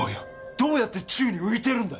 どうやって宙に浮いてるんだ？